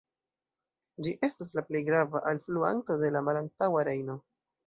Ĝi estas la plej grava alfluanto de la Malantaŭa Rejno.